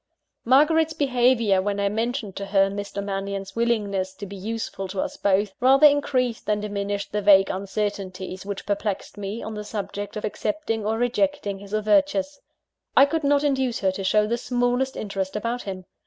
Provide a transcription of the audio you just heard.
Margaret's behaviour, when I mentioned to her Mr. Mannion's willingness to be useful to us both, rather increased than diminished the vague uncertainties which perplexed me, on the subject of accepting or rejecting his overtures. I could not induce her to show the smallest interest about him.